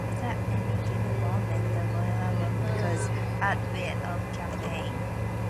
Thus at any given moment, the boiler room became the heartbeat of the campaign.